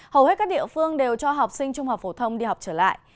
hầu hết các địa phương đều cho học sinh trung học phổ thông đi học trở lại